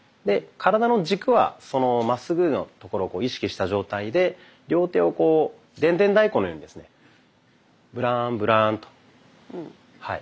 で体の軸はまっすぐのところを意識した状態で両手をこうでんでん太鼓のようにですねブランブランと。